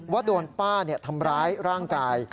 ว่าโดนป้าทำร้ายร่างกาย